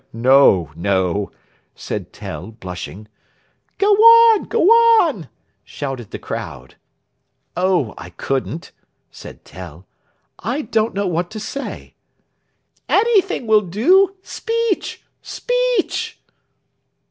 "No, no," said Tell, blushing. "Go on, go on!" shouted the crowd. "Oh, I couldn't," said Tell; "I don't know what to say." "Anything will do. Speech! Speech!"